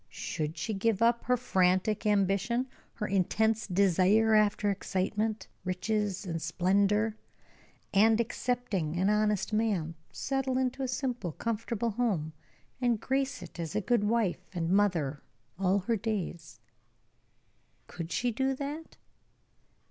Should she give up her frantic ambition, her intense desire after excitement, riches, and splendor, and, accepting an honest man, settle in a simple, comfortable home, and grace it as a good wife and mother all her days? Could she do that?